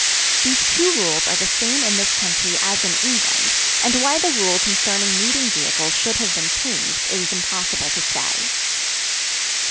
These two rules are the same in this country as in England, and why the rule concerning meeting vehicles should have been changed it is impossible to say.